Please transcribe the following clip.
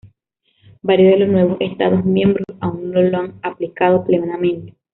Varios de los nuevos Estados miembros aún no lo han aplicado plenamente.